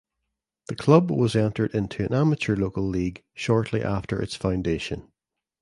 The club was entered into an amateur local league shortly after its foundation.